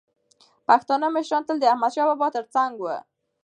پښتانه مشران تل د احمدشاه بابا تر څنګ وو.